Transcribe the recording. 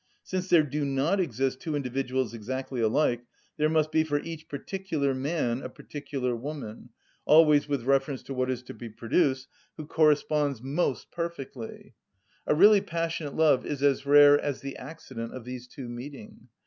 Since there do not exist two individuals exactly alike, there must be for each particular man a particular woman—always with reference to what is to be produced—who corresponds most perfectly. A really passionate love is as rare as the accident of these two meeting.